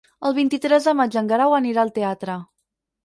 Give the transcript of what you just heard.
El vint-i-tres de maig en Guerau anirà al teatre.